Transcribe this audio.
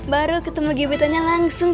baru ketemu gibetannya langsung